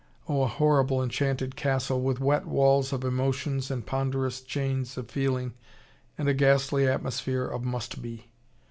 Oh, a horrible enchanted castle, with wet walls of emotions and ponderous chains of feelings and a ghastly atmosphere of must be.